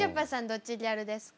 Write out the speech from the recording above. どっちギャルですか？